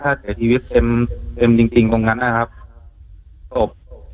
ถ้าเสียชีวิตเต็มเต็มจริงจริงตรงนั้นนะครับศพ